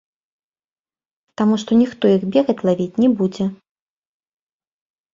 Таму што ніхто іх бегаць лавіць не будзе.